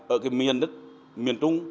ở cái miền đất miền trung